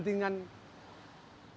dengan macam macam kepentingan